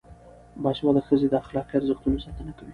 باسواده ښځې د اخلاقي ارزښتونو ساتنه کوي.